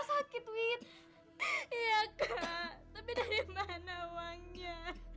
sampai jumpa di video selanjutnya